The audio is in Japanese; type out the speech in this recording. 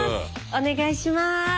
お願いします。